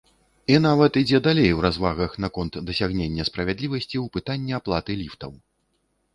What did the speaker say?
І нават ідзе далей у развагах наконт дасягнення справядлівасці ў пытанні аплаты ліфтаў.